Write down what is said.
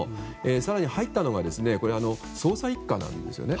更に入ったのが捜査１課なんですね。